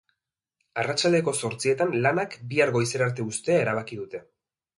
Arratsaldeko zortzietan lanak bihar goizera arte uztea erabaki dute.